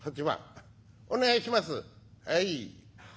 「はい。